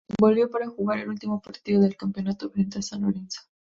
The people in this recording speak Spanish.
Volvió para jugar el último partido del campeonato frente a San Lorenzo.